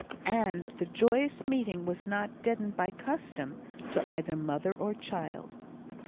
And the joyous meeting was not deadened by custom, to either mother or child.